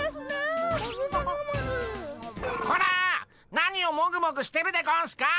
何をもぐもぐしてるでゴンスかっ！